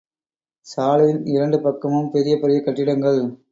சாலையின் இரண்டு பக்கமும் பெரிய பெரிய கட்டிடங்கள்.